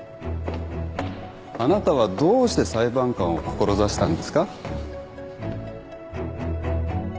あなたはどうして裁判官を志したんですか。